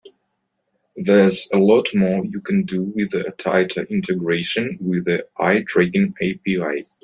There's a lot more you can do with a tighter integration with the eye tracking API.